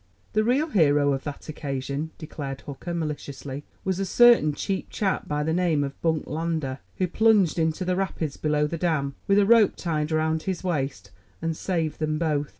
"The real hero of that occasion," declared Hooker maliciously, "was a certain cheap chap by the name of Bunk Lander, who plunged into the rapids below the dam, with a rope tied round his waist, and saved them both."